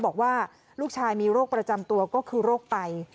บอกว่าลูกชายมีโรคประจำตัวก็คือโรคไต